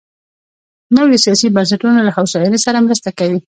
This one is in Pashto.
نویو سیاسي بنسټونو له هوساینې سره مرسته وکړه.